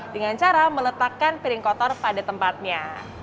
dengan cara meletakkan piring kotor pada tempatnya